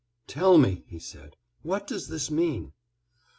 "Tell me," he said, "what does this mean?"